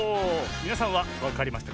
みなさんはわかりましたか？